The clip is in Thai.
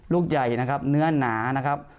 ลูกใหญ่นะครับเนื้อหนานะครับ